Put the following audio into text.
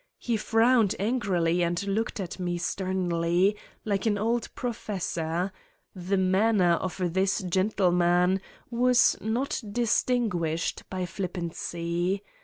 He frowned angrily and looked at me sternly, like an old pro fessor ... the manner of this gentleman was not distinguished by flippancy.